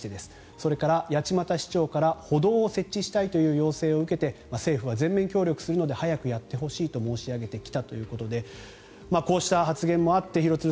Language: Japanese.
それから八街市長から歩道を設置したいという要請を受けて政府は全面協力するので早くやってほしいと申し上げてきたということでこうした発言もあって廣津留